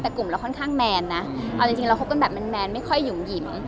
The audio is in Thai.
แต่กลุ่มเราค่อนข้างแมนนะเอาจริงเราคบกันแบบแมนไม่ค่อยหยุ่มหยิม